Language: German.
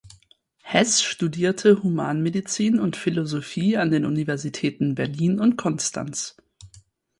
Hess studierte Humanmedizin und Philosophie an den Universitäten Berlin und Konstanz.